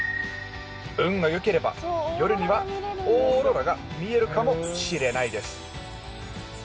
運が良ければ夜にはオーロラが見えるかもしれないです。